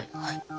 はい。